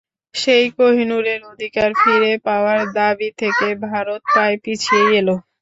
সেই কোহিনূরের অধিকার ফিরে পাওয়ার দাবি থেকে ভারত প্রায় পিছিয়েই এল।